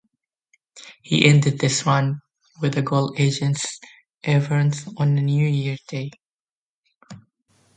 He ended this run with a goal against Everton on New Year's Day.